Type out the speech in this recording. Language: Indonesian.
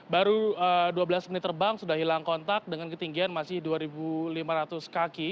baru dua belas menit terbang sudah hilang kontak dengan ketinggian masih dua lima ratus kaki